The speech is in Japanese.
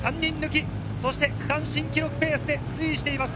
そして区間新記録ペースで推移しています。